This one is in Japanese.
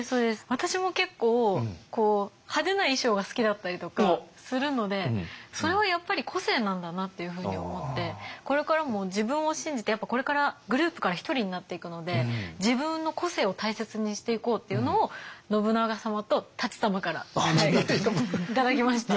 私も結構派手な衣装が好きだったりとかするのでそれはやっぱり個性なんだなっていうふうに思ってこれからも自分を信じてやっぱこれからグループから１人になっていくので自分の個性を大切にしていこうっていうのを信長様と舘様から頂きました。